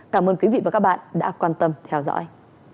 cảm ơn quý vị và các bạn đã quan tâm theo dõi